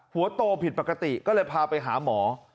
หัวโตผิดปกติก็เลยพาไปหาหมอ